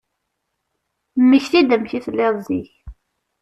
Mmekti-d amek i telliḍ zik.